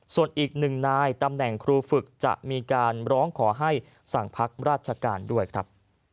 ส่วนอีกหนึ่งนายตำแหน่งครูฝึกจะมีการร้องขอให้สั่งพักราชการด้วยครับ